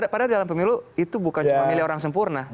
padahal dalam pemilu itu bukan cuma milih orang sempurna